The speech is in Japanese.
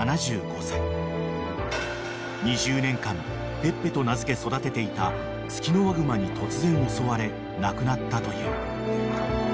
［２０年間ペッペと名付け育てていたツキノワグマに突然襲われ亡くなったという］